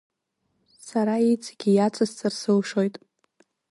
Сара иҵегьы иацысҵар сылшоит.